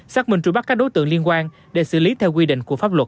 xác minh trụi bắt các đối tượng liên quan để xử lý theo quy định của pháp luật